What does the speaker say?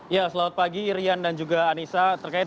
ya selamat pagi rian dan juga anissa